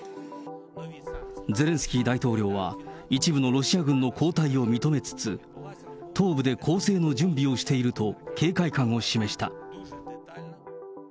ゼレンスキー大統領は、一部のロシア軍の後退を認めつつ、東部で攻勢の準備をしていると警戒感を示した。